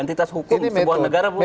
itu sudah clear